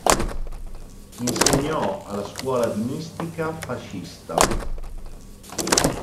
Insegnò alla Scuola di Mistica Fascista.